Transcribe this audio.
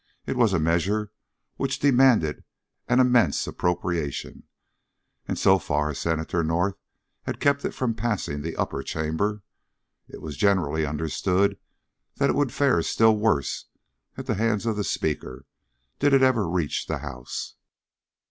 It was a measure which demanded an immense appropriation, and so far Senator North had kept it from passing the upper chamber; it was generally understood that it would fare still worse at the hands of the Speaker, did it ever reach the House.